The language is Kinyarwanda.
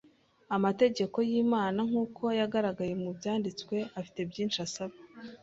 Amategeko y’Imana, nk’uko yagaragaye mu byanditswe, afite byinshi asaba.